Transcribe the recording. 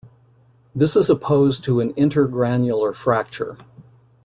This is opposed to an intergranular fracture.